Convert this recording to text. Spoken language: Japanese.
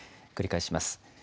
繰り返します。